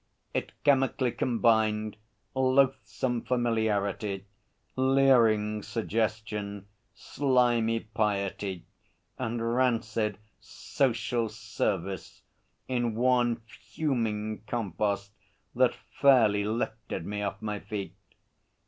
It chemically combined loathsome familiarity, leering suggestion, slimy piety and rancid 'social service' in one fuming compost that fairly lifted me off my feet.